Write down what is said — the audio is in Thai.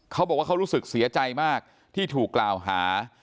เขาบอกว่าเขารู้สึกเสียใจมากที่ถูกกล่าวหา